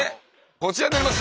こちらになります。